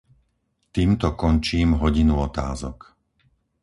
Týmto končím hodinu otázok.